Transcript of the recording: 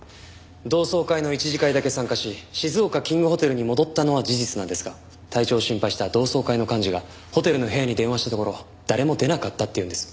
同窓会の一次会だけ参加し静岡キングホテルに戻ったのは事実なんですが体調を心配した同窓会の幹事がホテルの部屋に電話したところ誰も出なかったっていうんです。